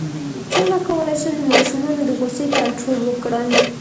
څنګه کولی شم د ماشومانو د غوسې کنټرول وکړم